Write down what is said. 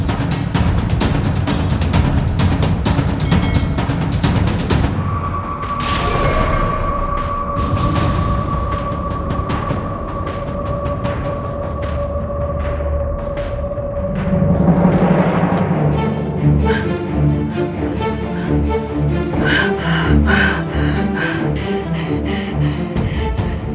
untung aja gak ketahuan